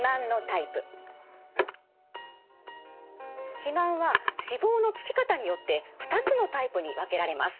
肥満は脂肪の付き方によって２つのタイプに分けられます。